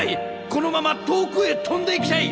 このまま遠くへ飛んでいきたい！